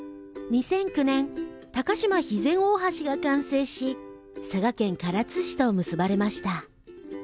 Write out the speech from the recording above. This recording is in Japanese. ２００９年鷹島肥前大橋が完成し佐賀県唐津市と結ばれました。